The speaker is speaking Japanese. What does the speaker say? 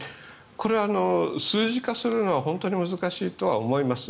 これは数字化するのは本当に難しいとは思います。